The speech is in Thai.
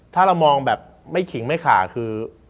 ถ้าเรามองแบบไม่ขิงไม่ขาคือ